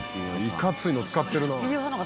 いかついの使ってるな。